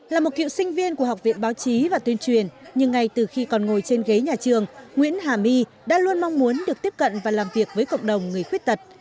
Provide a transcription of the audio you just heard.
là một cựu sinh viên của học viện báo chí và tuyên truyền nhưng ngay từ khi còn ngồi trên ghế nhà trường nguyễn hà my đã luôn mong muốn được tiếp cận và làm việc với cộng đồng người khuyết tật